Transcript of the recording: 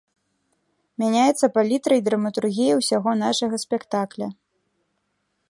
Мяняецца палітра і драматургія ўсяго нашага спектакля.